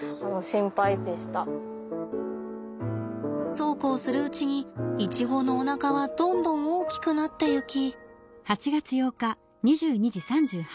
そうこうするうちにイチゴのおなかはどんどん大きくなっていき。